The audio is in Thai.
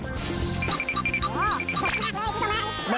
ฝักได้เลยพี่คุณแม่